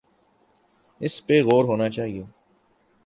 اس پہ غور ہونا چاہیے۔